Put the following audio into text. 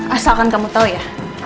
asalkan kamu tau ya